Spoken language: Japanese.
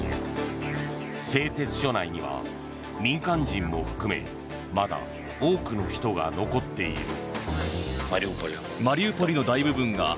製鉄所内には民間人も含めまだ多くの人が残っている。